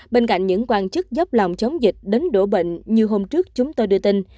bên cạnh những quan chức dốc lòng chống dịch đến đổ bệnh như hôm trước chúng tôi đưa tin